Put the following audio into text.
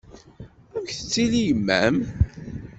Amek tettili yemma-m?